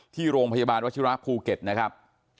ที่โรงพยาบาลวัชิระภูเก็ตนะครับ